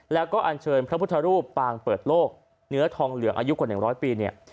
แล้วก็อันเชิญพระพุทธรูปปางเปิดโลกเนื้อทองเหลืองอายุกว่า๑๐๐ปีเนี่ย